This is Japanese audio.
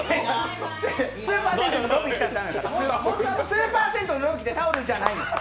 スーパー銭湯に来てタオルじゃないの。